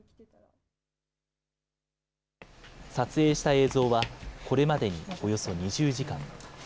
映像はこれまでにおよそ２０時間。